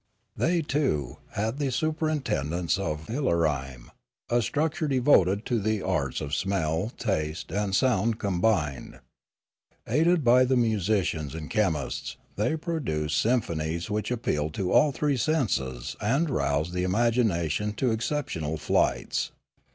They, too, had the superintendence of Ilarime, a structure devoted to the arts of smell, taste, and sound combined. Aided by the musicians and the chemists, they produced symphonies which appealed to all three senses and roused the imagination to exceptional flights.